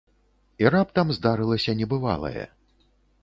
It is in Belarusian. І раптам здарылася небывалае.